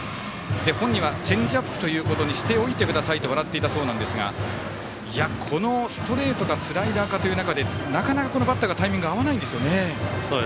本人はチェンジアップということにしておいてくださいと笑っていたそうなんですがこのストレートかスライダーかという中で、なかなかバッターがタイミング合わないんですよね。